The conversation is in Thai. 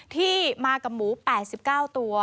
ที่มากับหมู๘๙ตัว